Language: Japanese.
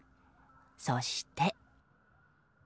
そして。